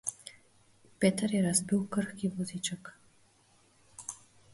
Peter je razbil krhki voziček.